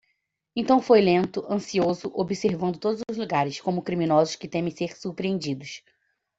Então foi lento, ansioso, observando todos os lugares, como criminosos que temem ser surpreendidos.